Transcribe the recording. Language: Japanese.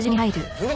えっ！